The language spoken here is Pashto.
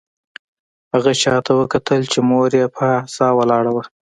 هغه شاته وکتل چې مور یې په عصا ولاړه وه